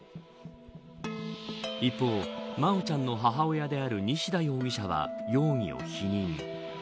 一方、真愛ちゃんの母親である西田容疑者は容疑を否認。